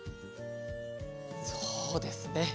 そうですね。